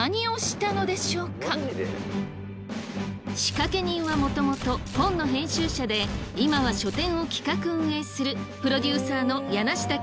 仕掛け人はもともと本の編集者で今は書店を企画運営するプロデューサーの柳下恭平さん。